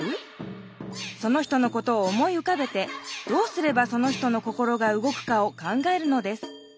その人のことを思いうかべてどうすればその人の心が動くかを考えるのです。